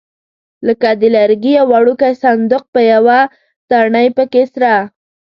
لکه د لرګي یو وړوکی صندوق په یوه تڼۍ پکې سره.